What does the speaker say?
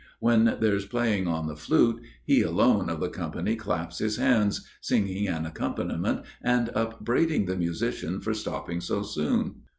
When there's playing on the flute, he alone of the company claps his hands, singing an accompaniment and upbraiding the musician for stopping so soon.